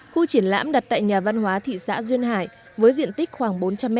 khu triển lãm đặt tại nhà văn hóa thị xã duyên hải với diện tích khoảng bốn trăm linh m hai